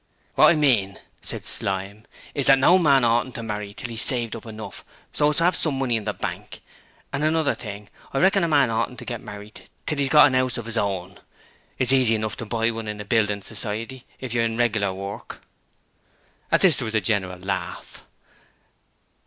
'Wot I mean,' said Slyme, 'is that no man oughtn't to marry till he's saved up enough so as to 'ave some money in the bank; an' another thing, I reckon a man oughtn't to get married till 'e's got an 'ouse of 'is own. It's easy enough to buy one in a building society if you're in reg'lar work.' At this there was a general laugh.